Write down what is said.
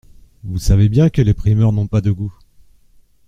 Vous savez bien que les primeurs n’ont pas de goût…